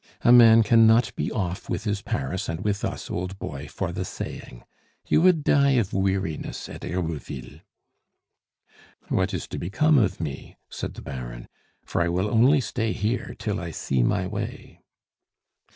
A man cannot be off with his Paris and with us, old boy, for the saying! You would die of weariness at Herouville." "What is to become of me?" said the Baron, "for I will only stay here till I see my way."